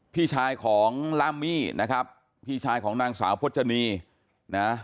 พี่ชายของล่ามมี่นะครับพี่ชายของนางสาวพจนีนะ